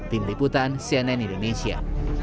tim liputan cnn indonesia